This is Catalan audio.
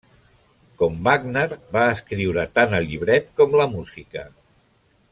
Com Wagner, va escriure tant el llibret com la música.